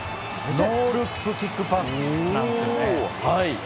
ノールックキックパスなんですよね。